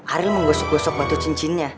ariel menggosok gosok batu cincinnya